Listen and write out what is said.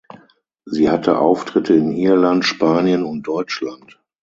Sie hatte Auftritte in Irland, Spanien und Deutschland.